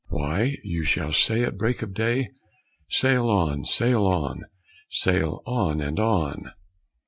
"Why, you shall say at break of day: 'Sail on! sail on! sail on! and on!'"